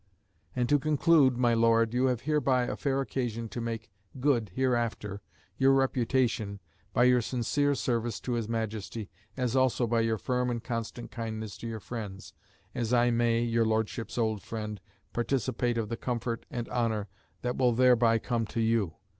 And to conclude, my Lord, you have hereby a fair occasion so to make good hereafter your reputation by your sincere service to his Majesty, as also by your firm and constant kindness to your friends, as I may (your Lordship's old friend) participate of the comfort and honour that will thereby come to you.